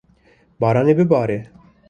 Baran ê bibare.